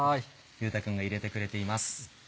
結太くんが入れてくれています。